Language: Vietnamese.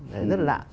đấy rất là lạ